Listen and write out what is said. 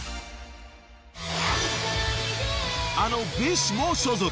［あのＢｉＳＨも所属］